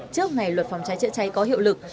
trước ngày luật phòng cháy chữa cháy có hiệu lực